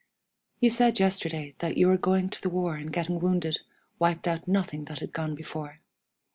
"You said yesterday that your going to the war and getting wounded wiped out nothing that had gone before.